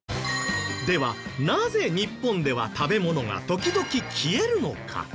ではなぜ日本では食べ物が時々消えるのか？